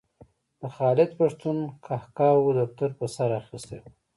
د خالد پښتون قهقهاوو دفتر په سر اخیستی و.